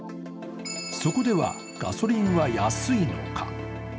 そこではガソリンは安いのか。